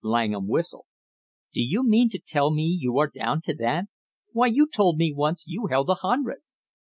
Langham whistled. "Do you mean to tell me you are down to that? Why, you told me once you held a hundred!"